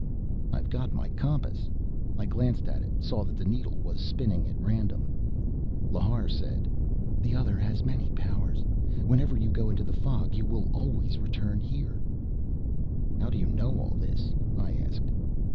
"I've got my compass." I glanced at it, saw that the needle was spinning at random. Lhar said: "The Other has many powers. Whenever you go into the fog, you will always return here." "How do you know all this?" I asked.